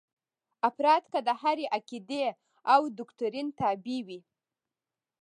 افراد که د هرې عقیدې او دوکتورین تابع وي.